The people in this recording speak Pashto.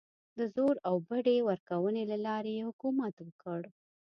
د زور او بډې ورکونې له لارې یې حکومت وکړ.